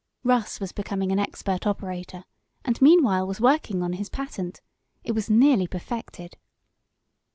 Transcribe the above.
Russ was becoming an expert operator, and meanwhile was working on his patent. It was nearly perfected.